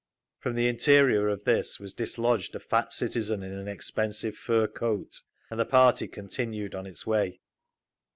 From the interior of this was dislodged a fat citizen in an expensive fur coat, and the party continued on its way.